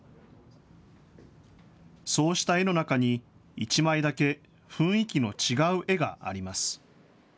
そうした絵の中に１枚だけ雰囲気の違う絵があります。